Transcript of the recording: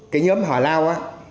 cái nhóm hà lao